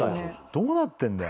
どうなってんだよ。